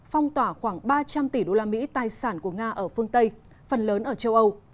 phong tỏa khoảng ba trăm linh tỷ đô la mỹ tài sản của nga ở phương tây phần lớn ở châu âu